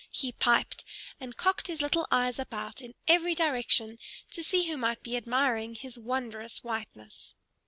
he piped, and cocked his little eyes about in every direction, to see who might be admiring his wondrous whiteness.